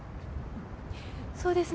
そうですね。